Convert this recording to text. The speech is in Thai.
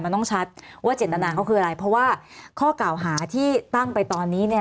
มันต้องชัดว่าเจตนาเขาคืออะไรเพราะว่าข้อกล่าวหาที่ตั้งไปตอนนี้เนี่ย